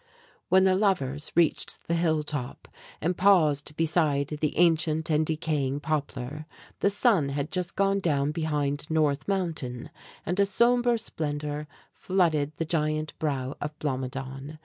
When the lovers reached the hill top and paused beside the ancient and decaying poplar, the sun had just gone down behind North Mountain, and a sombre splendor flooded the giant brow of Blomidon.